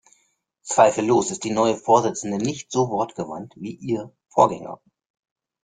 Zweifellos ist die neue Vorsitzende nicht so wortgewandt wie ihr Vorgänger.